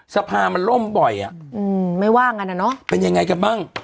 สภามันล่มบ่อยอ่ะอืมไม่ว่างั้นอ่ะเนอะเป็นยังไงกันบ้าง